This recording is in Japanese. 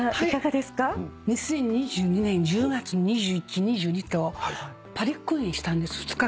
２０２２年１０月２１・２２とパリ公演したんです２日間。